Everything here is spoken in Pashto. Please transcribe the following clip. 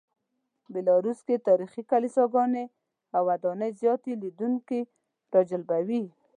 بیلاروس کې تاریخي کلیساګانې او ودانۍ زیاتې لیدونکي راجلبوي.